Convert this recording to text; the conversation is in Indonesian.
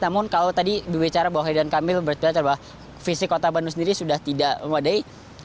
namun kalau tadi berbicara bahwa ridwan kamil berbicara bahwa visi kota bandung sendiri sudah tidak memadai